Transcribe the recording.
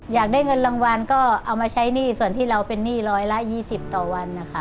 อยากได้เงินรางวัลก็เอามาใช้หนี้ส่วนที่เราเป็นหนี้ร้อยละ๒๐ต่อวันนะคะ